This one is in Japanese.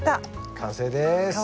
完成です。